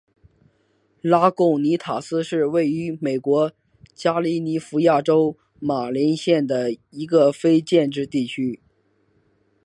拉贡尼塔斯是位于美国加利福尼亚州马林县的一个非建制地区。